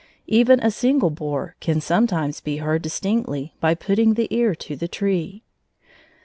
Even a single borer can sometimes be heard distinctly by putting the ear to the tree.